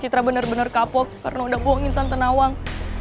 citra bener bener kapok karena udah bohongin tante nawang